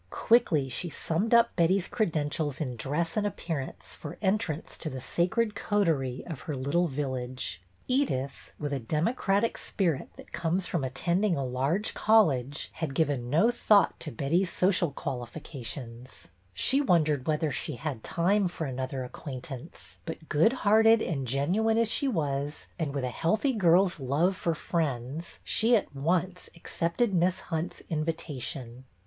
Quickly she summed up Betty's credentials in dress and appearance for entrance to the sacred coterie of her little village. Edyth, with a democratic spirit that comes from attending a large college, had given no thought MISS HUNT'S LOVER I9S to Betty's social qualifications. She wondered whether she had time for another acquaintance; but, good hearted and genuine as she was, and with a healthy girl's love for friends, she at once accepted Miss Hunt's invitation.